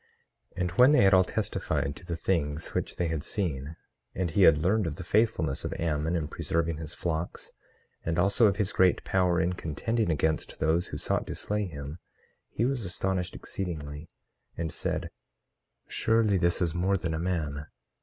18:2 And when they had all testified to the things which they had seen, and he had learned of the faithfulness of Ammon in preserving his flocks, and also of his great power in contending against those who sought to slay him, he was astonished exceedingly, and said: Surely, this is more than a man.